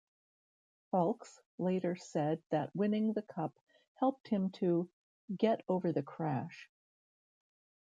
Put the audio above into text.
Foulkes later said that winning the Cup helped him to "get over the crash".